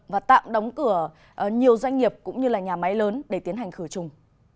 và tạm đóng cửa nhiều doanh nghiệp cũng như nhà máy lớn để tiến hành khửa chung